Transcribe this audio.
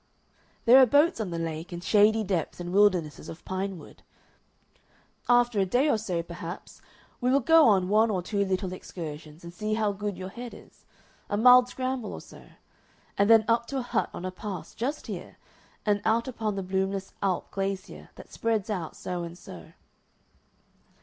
There are boats on the lake and shady depths and wildernesses of pine wood. After a day or so, perhaps, we will go on one or two little excursions and see how good your head is a mild scramble or so; and then up to a hut on a pass just here, and out upon the Blumlis alp glacier that spreads out so and so."